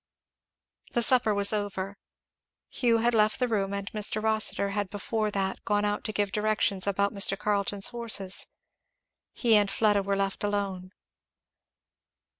The supper was over. Hugh had left the room, and Mr. Rossitur had before that gone out to give directions about Mr. Carleton's horses. He and Fleda were left alone.